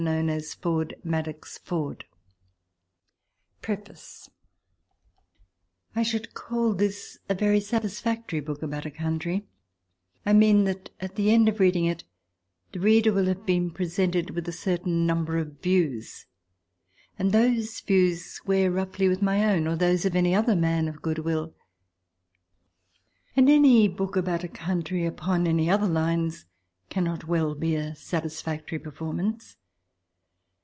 OSWALD CRAWFURD WHO LED ME INTO GERMANY PREFACE I SHOULD call this a very satisfactory book about a country — I mean that, at the end of reading it, the reader will have been presented with a certain number of views, and that those views square roughly with my own or those of any other man of good will. And any book about a country upon any other lines cannot well be a satisfactory perfor mance.